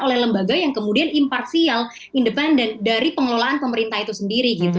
oleh lembaga yang kemudian imparsial independen dari pengelolaan pemerintah itu sendiri gitu